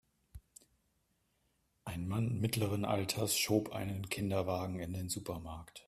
Ein Mann mittleren Alters schob einen Kinderwagen in den Supermarkt.